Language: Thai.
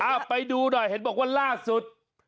ไปดูหน่อยเห็นบอกว่าล่าสุด